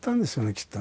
きっとね